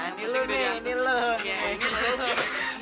ngurusin kek gila gitu kek